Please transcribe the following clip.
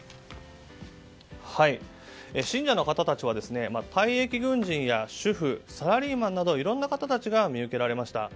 信者の方たちは退役軍人や主婦サラリーマンなどいろんな方たちが見受けられました。